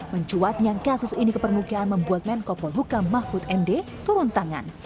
mencuatnya kasus ini kepermukaan membuat men kopol hukam mahfud md turun tangan